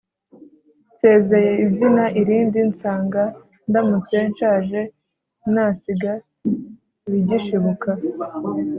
Nsezeye izina irindi Nsanga ndamutse nshaje Nasiga ibigishibuka;